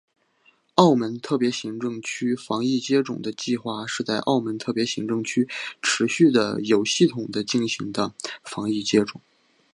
澳门特别行政区防疫接种计划是在澳门特别行政区持续地有系统地进行的防疫接种。